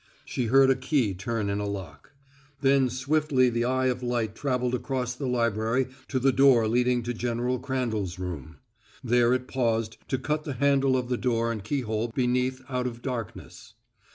She heard a key turn in a lock. Then swiftly the eye of light traveled across the library to the door leading to General Crandall's room. There it paused to cut the handle of the door and keyhole beneath out of darkness.